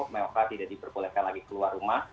mereka tidak diperbolehkan lagi keluar rumah